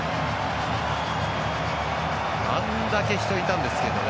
あんだけ人いたんですけどね。